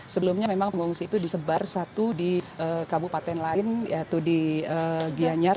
sebelumnya memang pengungsi itu disebar satu di kabupaten lain yaitu di gianyar